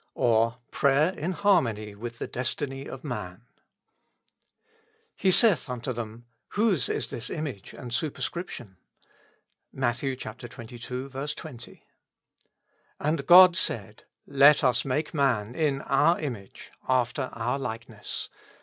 *' or, Prayer in harmony with the Destiny of Man. He saith unto them, Whose is this image and superscrip' Hon ?— Matt. xxii. 20. Ajtd God saidj Let us make man in our image ^ after our likeness.